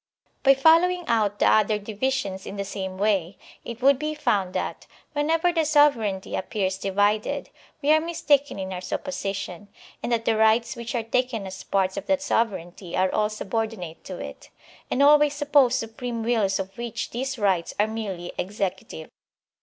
By following out the other divisions in the same way it would be fotmd that, whenever the sovereignty ap pears divided, we are mistaken in our supposition; and that the rights which are taken as parts of that sov ereignty are all subordinate to it, and always suppose supreme wills of which these rights are merely executive.